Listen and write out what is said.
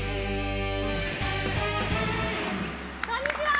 こんにちは！